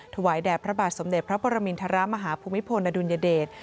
ถวายแด่พระบาทสมเด็จพระปรมินทรมาฮภูมิพลอดุลยเดช